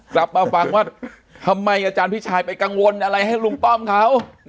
กลับมาฟังว่าทำไมอาจารย์พี่ชายไปกังวลอะไรให้ลุงป้อมเขา